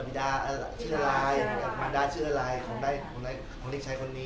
วีดาเอ่อชื่ออะไรชื่ออะไรมันได้ชื่ออะไรของได้ของใดของเล็กชายคนนี้